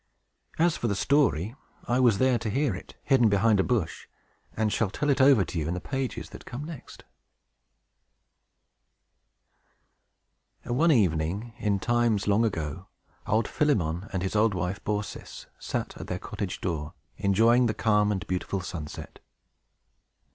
As for the story, I was there to hear it, hidden behind a bush, and shall tell it over to you in the pages that come next. THE MIRACULOUS PITCHER One evening, in times long ago, old Philemon and his old wife Baucis sat at their cottage door, enjoying the calm and beautiful sunset.